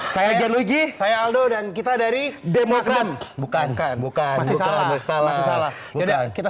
saya gen luigi saya aldo dan kita dari demokrasi bukan bukan salah salah kita